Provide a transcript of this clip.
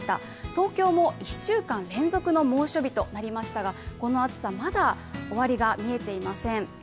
東京も１週間連続の猛暑日となりましたが、この暑さ、まだ終わりが見えていません。